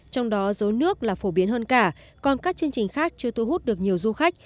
trong đó rối nước là phổ biến hơn cả còn các chương trình khác chưa thu hút được nhiều du khách